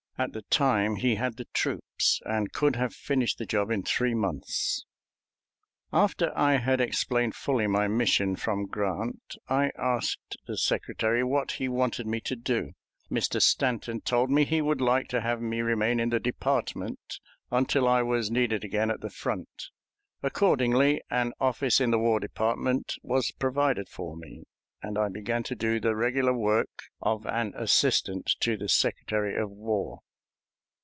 At the time he had the troops, and could have finished the job in three months. After I had explained fully my mission from Grant, I asked the Secretary what he wanted me to do. Mr. Stanton told me he would like to have me remain in the department until I was needed again at the front. Accordingly, an office in the War Department was provided for me, and I began to do the regular work of an assistant to the Secretary of War.